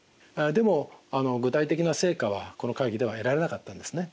でも具体的な成果はこの会議では得られなかったんですね。